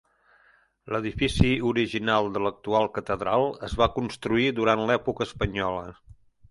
L'edifici original de l'actual catedral es va construir durant l'època espanyola.